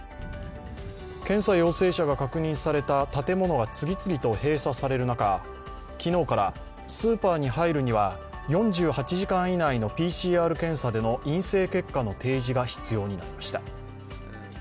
検査陽性者が確認された建物が次々と閉鎖される中、昨日からスーパーに入るには４８時間以内でのＰＣＲ検査での陰性結果の提示が必要になりました。